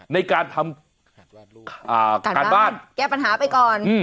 ในการทำการบ้านแก้ปัญหาไปก่อน